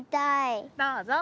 どうぞ。